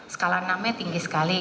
skala enam nya tinggi sekali